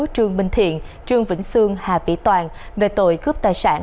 trương minh thiện trương vĩnh sương hà vĩ toàn về tội cướp tài sản